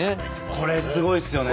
これすごいですよね。